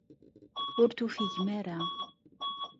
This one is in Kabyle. Ur tufigem ara.